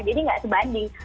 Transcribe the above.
jadi nggak sebanding